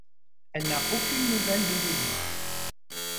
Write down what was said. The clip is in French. Elle n'a aucune nouvelle de Willi.